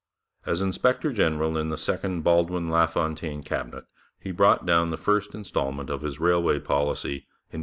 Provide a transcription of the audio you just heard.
As inspector general in the second Baldwin LaFontaine Cabinet, he brought down the first instalment of his railway policy in 1849.